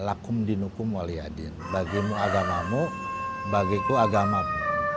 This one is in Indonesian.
lakum dinukum waliyadin bagimu agamamu bagiku agamamu